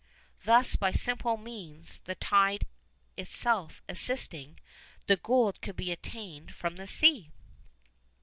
Thus by simple means, the tide itself assisting, the gold could be obtained from the sea.